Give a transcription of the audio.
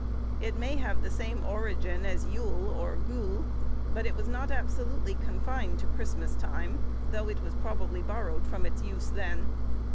It may have the same origin as yule, or gule, but it was not absolutely confined to Christmas time, though it was probably borrowed from its use then.